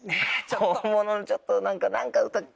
本物のちょっと何か歌って。